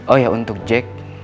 oh iya untuk jack